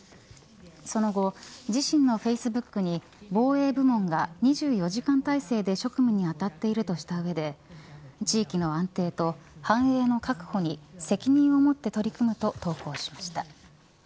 その後、自身のフェイスブックに防衛部門が２４時間体制で職務に当たっているとした上で地域の安定と繁栄の確保に責任を持って取り組むと投稿しました。